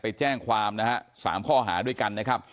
ไปแจ้งความนะฮะ๓ข้อหาด้วยกันนะครับ